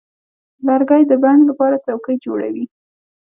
لرګی د بڼ لپاره څوکۍ جوړوي.